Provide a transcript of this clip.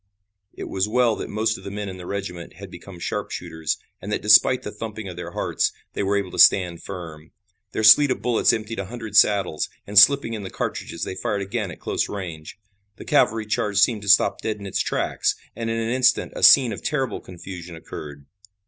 It was well that most of the men in the regiment had become sharpshooters, and that despite the thumping of their hearts, they were able to stand firm. Their sleet of bullets emptied a hundred saddles, and slipping in the cartridges they fired again at close range. The cavalry charge seemed to stop dead in its tracks, and in an instant a scene of terrible confusion occurred.